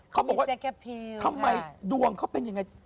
เขาบอกว่าทำไมดวงเขาเป็นยังไง